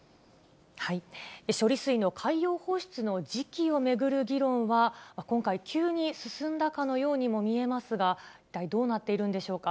処理水の海洋放出の時期をめぐる議論は、今回、急に進んだかのようにも見えますが、一体どうなっているんでしょうか。